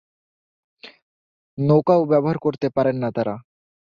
নৌকাও ব্যবহার করতে পারেন না তাঁরা।